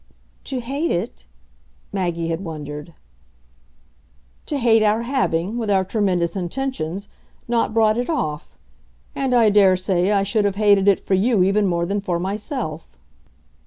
"To hate it ?" Maggie had wondered. "To hate our having, with our tremendous intentions, not brought it off. And I daresay I should have hated it for you even more than for myself."